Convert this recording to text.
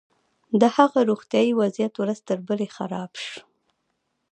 د هغه روغتيايي وضعيت ورځ تر بلې خراب شو.